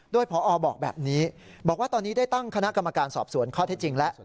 โดยพอบอกแบบนี้บอกว่าตอนนี้ได้ตั้งคณะกรรมการสอบสวนข้อเท็จจริงแล้ว